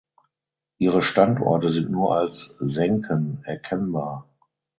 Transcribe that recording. Ihre Standorte sind nur als Senken erkennbar.